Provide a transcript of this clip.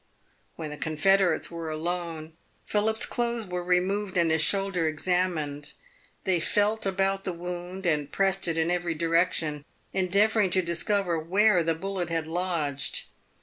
When the confederates were alone, Philip's clothes were removed and his shoulder examined. They felt about the wound, and pressed it in every direction, endeavouring to discover where the bullet had lodged.